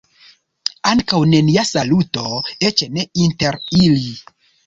Ankaŭ nenia saluto, eĉ ne inter ili.